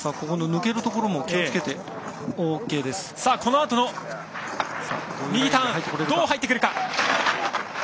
ここの抜けるところも気をつけてオーケこのあとの右ターンどう入ってくるか。